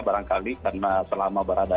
barangkali karena selama berada